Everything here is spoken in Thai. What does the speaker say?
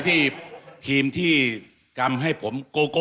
ทีมที่กำให้ผม